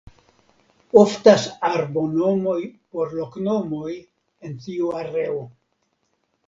Oftas arbonomoj por loknomoj en tiu areo.